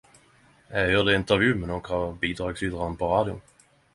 Eg høyrde intervju med nokre av bidragsytarane på radioen.